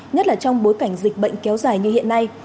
nhất là trong bối cảnh dịch bệnh kéo dài như hiện nay